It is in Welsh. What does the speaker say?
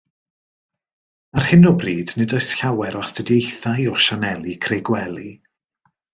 Ar hyn o bryd, nid oes llawer o astudiaethau o sianeli creigwely